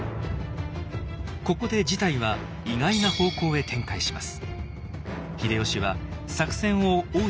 ここで事態は意外な方向へ展開します。